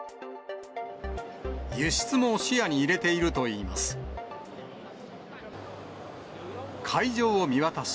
輸出も視野に入れているといいます。